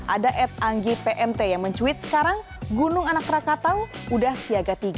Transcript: ada ed anggi pmt yang mencuit sekarang gunung anak rakatau sudah siaga tiga